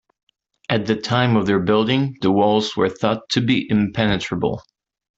At the time of their building, the walls were thought to be impenetrable.